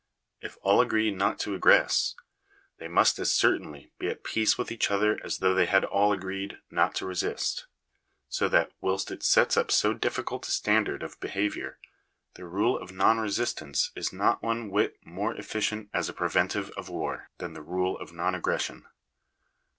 If all agree not to aggress, they must as certainly* be at peace with each other as though they had all agreed not to resist So that, whilst it sets up so difficult a standard of behaviour, the rule of non resistance is not one whit more efficient as a preventive of war, than the rule of non aggression.